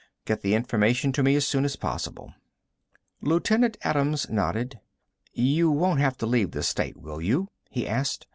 Get the information to me as soon as possible." Lieutenant Adams nodded. "You won't have to leave the state, will you?" he asked.